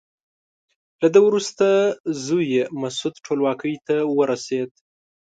له ده وروسته زوی یې مسعود ټولواکۍ ته ورسېد.